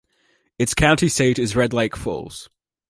Its county seat is Red Lake Falls.